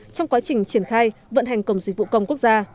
trong quá trình triển khai vận hành cổng dịch vụ công quốc gia